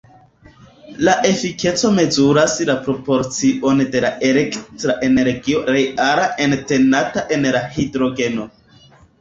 La efikeco mezuras la proporcion de la elektra energio reale entenata en la hidrogeno.